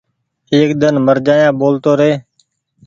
ايڪ ۮن مر جآيآ ٻولتو ري ۔